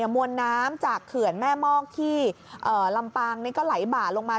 มวลน้ำจากเขื่อนแม่มอกที่ลำปางนี่ก็ไหลบ่าลงมา